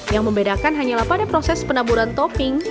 yang membedakan hanyalah pada proses penaburan topping